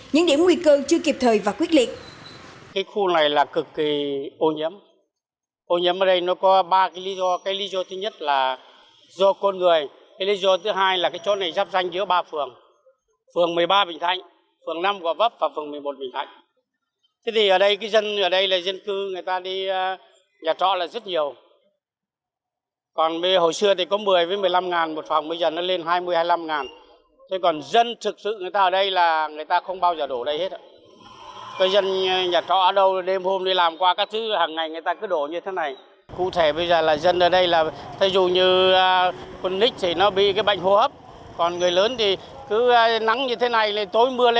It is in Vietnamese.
những điểm nguy cơ chưa kịp thời và quyết liệt